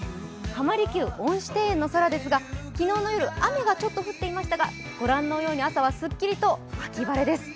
浜離宮恩賜庭園の空ですが昨日夜雨がちょっと降っていましたがご覧のように、朝はすっきりと秋晴れです。